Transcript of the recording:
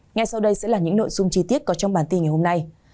ngay sau đây sẽ là những nội dung chi tiết có trong bản tin ngày hôm nay